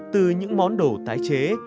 từ những món đồ tái chế